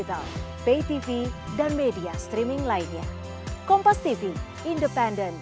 karena kan itu kan mengikuti arus kan ya